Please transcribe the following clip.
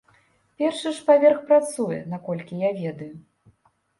Першы ж паверх працуе, наколькі я ведаю.